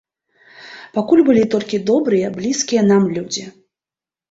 Пакуль былі толькі добрыя блізкія нам людзі.